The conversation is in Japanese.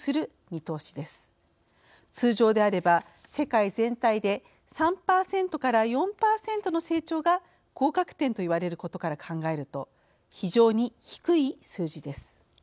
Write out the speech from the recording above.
通常であれば世界全体で３％から４％の成長が合格点と言われることから考えると非常に低い数字です。